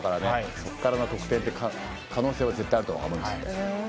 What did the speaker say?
そこからの得点可能性はあると思います。